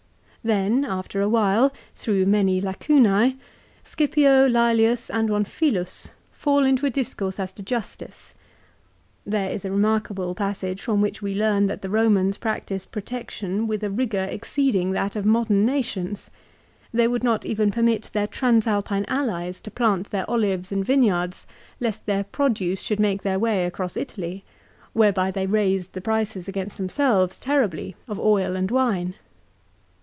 Then after a while, through many " Lacunae," Scipio, Lselius, and one Philus, fall into a discourse as to justice. There is a remarkable passage from which we learn that the Romans practised protection with a rigour exceeding that of modern nations. They would not even permit their transalpine allies to plant CICERO'S MORAL ESSAYS. 375 their olives and vineyards, lest their produce should make their way across Italy, whereby they raised the prices against themselves terribly of oil and wine.